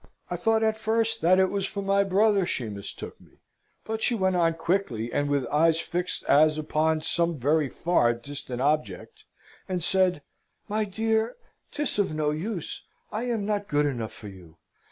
I thought at first that it was for my brother she mistook me; but she went on quickly, and with eyes fixed as upon some very far distant object, and said, "My dear, 'tis of no use, I am not good enough for you.